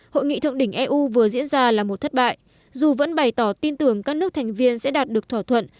hội nghị thượng đỉnh eu vừa diễn ra là một thất bại dù vẫn bày tỏ tin tưởng các nước thành viên sẽ đạt được thỏa thuận